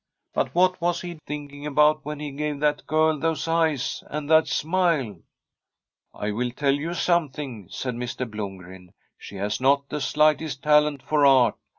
But what was He thinking about when He gave that girl those eyes and that smile ?'' I will tell you something,' said Mr. Blom gren ;* she has not the slightest talent for Art.